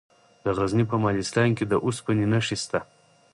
د غزني په مالستان کې د اوسپنې نښې شته.